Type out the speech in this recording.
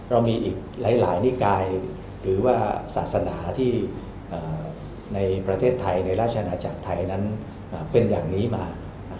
เรามีอีกหลายนิกายหรือว่าศาสนาที่ในประเทศไทยในราชนาจักรไทยนั้นเป็นอย่างนี้มา